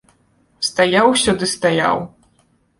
Стаяў усё ды стаяў.